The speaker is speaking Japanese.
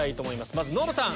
まずノブさん